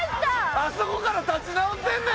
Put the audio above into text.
あそこから立ち直ってんねん！